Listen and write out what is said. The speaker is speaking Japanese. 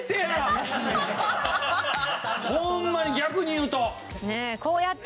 ホンマに逆に言うと。